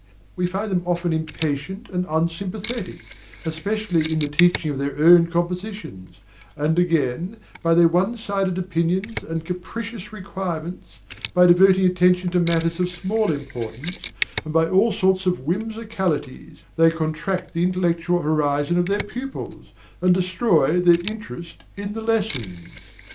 We find them often impatient and unsympathetic, especially in the teaching of their own compositions; and again, by their one sided opinions and capricious requirements, by devoting attention to matters of small importance, and by all sorts of whimsicalities, they contract the intellectual horizon of their pupils, and destroy their interest in the lessons. MRS. SOLID.